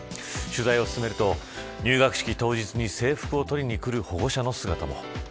取材を進めると、入学式当日に制服を取りに来る保護者の姿も。